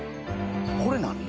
これ何？